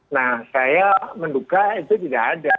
nah saya menduga itu tidak ada